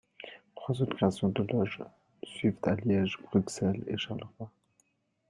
Trois autres créations de loges suivent à Liège, Bruxelles et Charleroi.